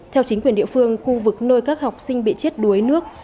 theo chính quyền địa phương khu vực nơi các học sinh bị chết đuối nước